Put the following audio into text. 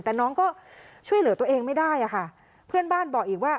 แต่น้องก็ช่วยเหลือตัวเองไม่ได้อะค่ะเพื่อนบ้านบอกอีกว่า